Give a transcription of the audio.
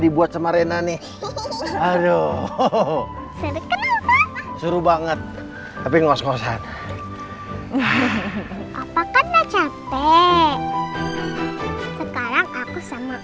dibuat sama rena nih aduh seru banget tapi ngos ngosan apakah enggak capek sekarang aku sama